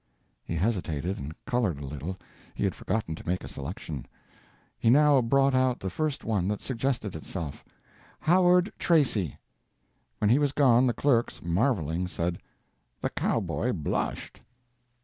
He hesitated and colored a little; he had forgotten to make a selection. He now brought out the first one that suggested itself: "Howard Tracy." When he was gone the clerks, marveling, said: "The cowboy blushed."